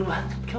ya apaan itu busta